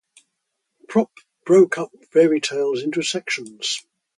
Propp broke up fairy tales into sections.